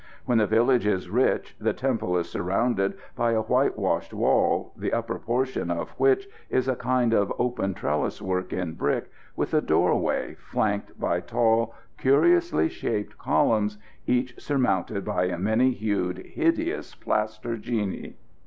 When the village is rich the temple is surrounded by a whitewashed wall, the upper portion of which is a kind of open trellis work in brick, with a doorway flanked by tall, curiously shaped columns, each surmounted by a many hued, hideous plaster genie.